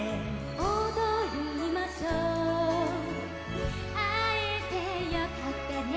「おどりましょう」「あえてよかったね」